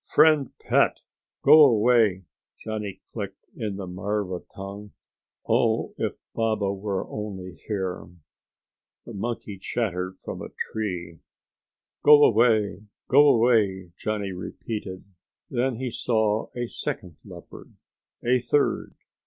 "Friend pet, go away!" Johnny clicked in the marva tongue. Oh, if Baba were only here! The monkey chattered from a tree. "Go away! Go away!" Johnny repeated. Then he saw a second leopard. A third.